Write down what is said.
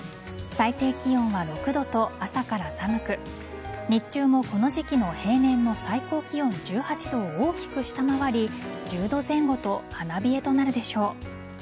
最低気温は６度と朝から寒く日中もこの時期の平年の最高気温１８度を大きく下回り１０度前後と花冷えとなるでしょう。